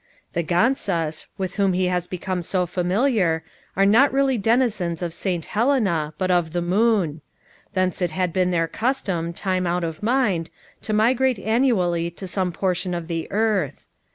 The ganzas, with whom he had become so familiar, were not really denizens of St. Helena, but of the moon. Thence it had been their custom, time out of mind, to migrate annually to some portion of the earth.